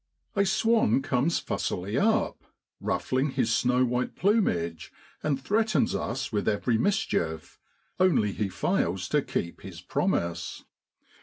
A swan comes fussily up, ruffling his snow white plumage, and threatens us with every mischief, only he fails to keep his promise.